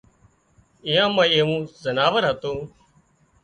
ايئان مان ايوون زناور هتون